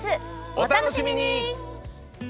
お楽しみに！